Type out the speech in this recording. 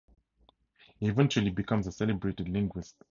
He eventually becomes a celebrated linguist.